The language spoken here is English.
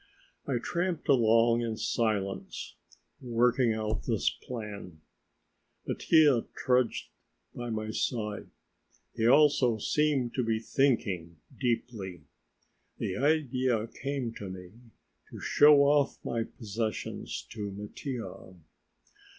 I tramped along in silence, working out this plan. Mattia trudged by my side; he also seemed to be thinking deeply. The idea came to me to show off my possessions to Mattia.